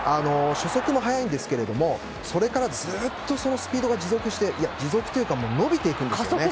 初速も速いですけどそれからずっとそのスピードが持続して持続というか伸びていくんですね。